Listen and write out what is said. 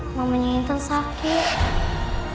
emang mama ini dari satip